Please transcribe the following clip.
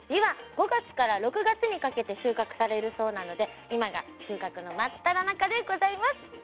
５月から６月にかけて収穫されるそうなので今が収穫の真っただ中でございます。